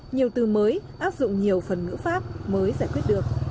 nhiều từ mới áp dụng nhiều phần ngữ pháp mới giải quyết được